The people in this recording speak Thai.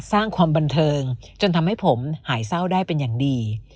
สร้างความบันเทิงจนทำให้ผมหายเศร้าได้เป็นอย่างดี